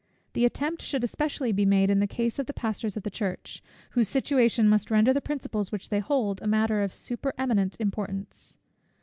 The attempt should especially be made in the case of the pastors of the Church, whose situation must render the principles which they hold a matter of supereminent importance.